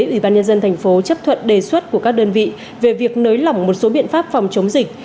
ủy ban nhân dân thành phố chấp thuận đề xuất của các đơn vị về việc nới lỏng một số biện pháp phòng chống dịch